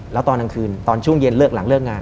แล้วตอนทางคืนตอนช่วงเย็นแล้วเลิกงาน